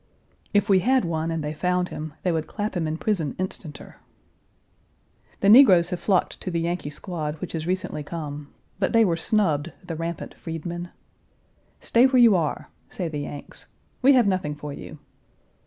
If we had one and they found him, they would clap him in prison instanter. The negroes have flocked to the Yankee squad which has recently come, but they were snubbed, the rampant freedmen. "Stay where you are," say the Yanks. "We have nothing for you."